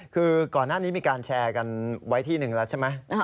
คือก่อนหน้านี้มีการแชร์กันไว้ที่หนึ่งแล้วใช่ไหม